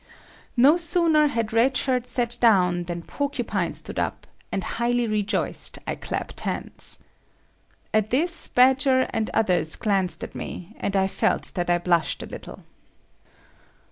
No sooner had Red Shirt sat down than Porcupine stood up, and highly rejoiced, I clapped hands. At this Badger and others glanced at me, and I felt that I blushed a little.